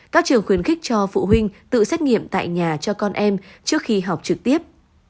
các trường khuyến khích cho phụ huynh tự xét nghiệm tại nhà cho con em trước khi học trực tiếp